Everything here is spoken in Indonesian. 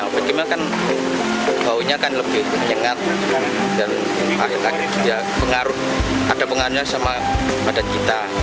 obat kimia kan baunya kan lebih menyengat dan akhir akhir juga ada pengaruhnya pada kita